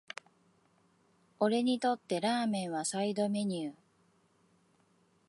俺にとってラーメンはサイドメニュー